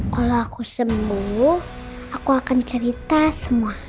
kalau aku sembuh aku akan cerita semua